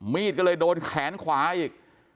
มีดก็เลยโดนแขนขวาอีก